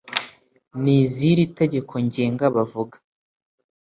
n’iz’iri tegeko ngenga bavuga